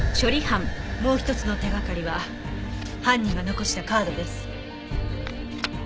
もう１つの手掛かりは犯人が残したカードです。